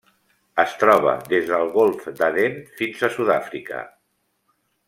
Es troba des del Golf d'Aden fins a Sud-àfrica.